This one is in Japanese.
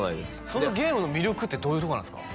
そのゲームの魅力ってどういうとこなんですか？